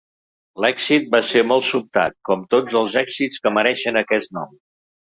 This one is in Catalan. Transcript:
L'èxit va ser molt sobtat, com tots els èxits que mereixen aquest nom.